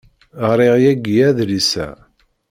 Ɣriɣ yagi adlis-a.